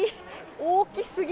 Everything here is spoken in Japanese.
大きすぎ。